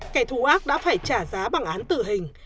kẻ thù ác đã phải trả giá bằng án tử hình